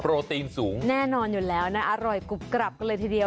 ตีนสูงแน่นอนอยู่แล้วนะอร่อยกรุบกรับกันเลยทีเดียว